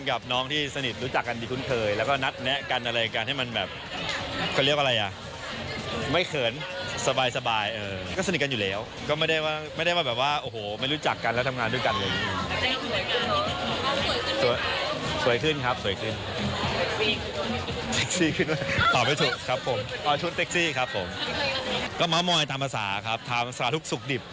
ก็ห่วงตามภาษาครับทำสารทุกข์สุขดิบ